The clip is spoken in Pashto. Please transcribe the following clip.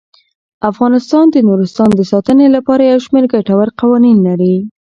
افغانستان د نورستان د ساتنې لپاره یو شمیر ګټور قوانین لري.